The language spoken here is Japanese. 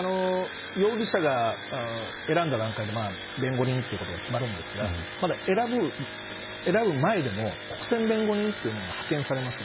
容疑者が選んだ段階で弁護人が決まるんですが選ぶ前でも国選弁護人というのが派遣されます。